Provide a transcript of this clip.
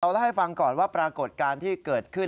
เล่าให้ฟังก่อนว่าปรากฏการณ์ที่เกิดขึ้น